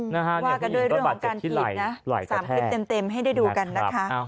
ว่ากันด้วยเรื่องของการถีบนะ๓คลิปเต็มให้ได้ดูกันนะคะ